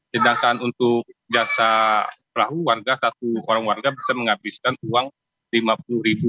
sedangkan untuk jasa perahu warga satu orang warga bisa menghabiskan uang rp lima puluh